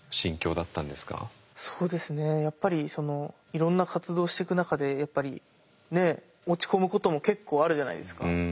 そうですねやっぱりいろんな活動していく中でやっぱりねえ落ち込むことも結構あるじゃないですか。